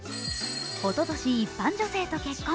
おととし一般女性と結婚。